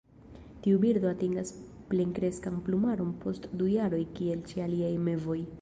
Tiu birdo atingas plenkreskan plumaron post du jaroj kiel ĉe aliaj mevoj.